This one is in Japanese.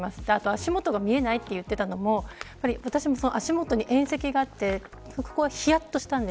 足元が見えないと言っていたのも私も足元に縁石があってひやっとしましたが